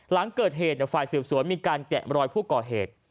หลังเกิดเหตุฝ่ายสืบสวนมีการแกะมรอยผู้ก่อเหตุ